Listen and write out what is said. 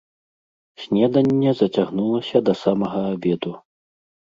Снеданне зацягнулася да самага абеду.